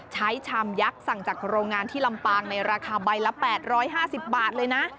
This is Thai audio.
ชามยักษ์สั่งจากโรงงานที่ลำปางในราคาใบละ๘๕๐บาทเลยนะ